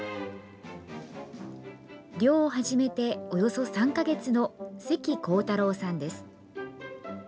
猟を始めて、およそ３か月の関弘太郎さんです。